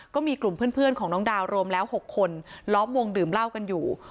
ก็มีกลุ่มเพื่อนของน้องดาวรวมแล้ว๖คนล้อมวงดื่มเหล้ากันอยู่